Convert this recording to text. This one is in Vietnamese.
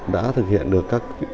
đã thực hiện được các